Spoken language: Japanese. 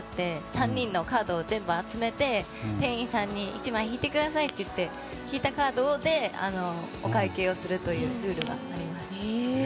３人のカードを全部集めて店員さんに１枚引いてくださいって言って引いたカードでお会計をするというルールがあります。